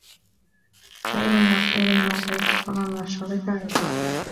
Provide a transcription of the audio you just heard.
خَيْرٌ مِنْ الْخَيْرُ مُعْطِيهِ وَشَرٌّ مِنْ الشَّرِّ فَاعِلُهُ